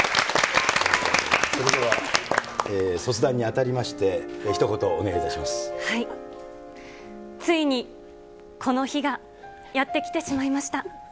それでは卒団にあたりまして、ついに、この日がやって来てしまいました。